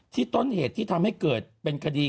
ต้นเหตุที่ทำให้เกิดเป็นคดี